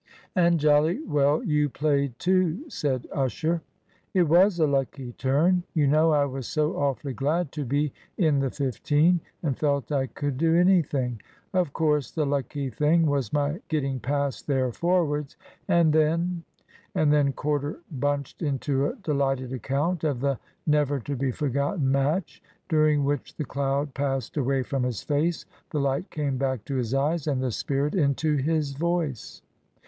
"And jolly well you played too," said Usher. "It was a lucky turn. You know I was so awfully glad to be in the fifteen, and felt I could do anything. Of course the lucky thing was my getting past their forwards, and then " And then Corder bunched into a delighted account of the never to be forgotten match, during which the cloud passed away from his face, the light came back to his eyes, and the spirit into his voice.